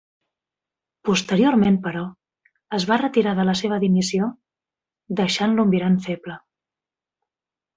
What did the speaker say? Posteriorment, però, es va retirar de la seva dimissió, deixant-lo mirant feble.